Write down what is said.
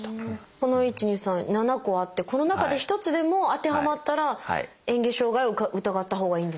この１２３７個あってこの中で一つでも当てはまったらえん下障害を疑ったほうがいいんですか？